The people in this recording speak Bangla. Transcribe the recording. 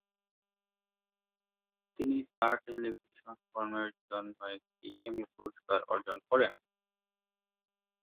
তিনি তার টেলিভিশন কর্মের জন্য একটি এমি পুরস্কার অর্জন করেন।